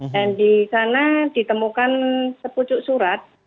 dan di sana ditemukan sepucuk surat